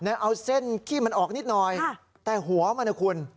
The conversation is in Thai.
เอาเส้นขี้มันออกนิดหน่อยแต่หัวมันนะคุณ